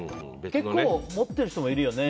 結構持ってる人もいるよね。